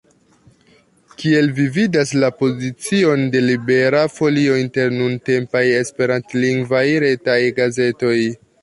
Kiel vi vidas la pozicion de Libera Folio inter nuntempaj esperantlingvaj retaj gazetoj?